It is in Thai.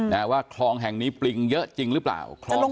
นะว่าคลองแห่งนี้ปริงเยอะจริงหรือเปล่าคลอง